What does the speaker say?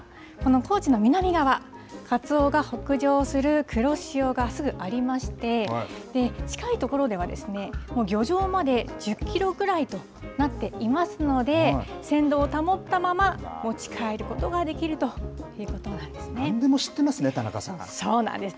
高知県を含む四国の地図となっていますが、この高知の南側、カツオが北上する黒潮がすぐありまして、近い所では、もう漁場まで１０キロくらいとなっていますので、鮮度を保ったまま持ち帰ることがなんでも知ってますね、田中そうなんです。